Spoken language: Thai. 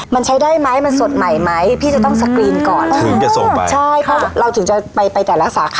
มันใช้ได้ไหมมันสดใหม่ไหมพี่จะต้องสกรีนก่อนถึงจะส่งไปใช่เพราะเราถึงจะไปไปแต่ละสาขา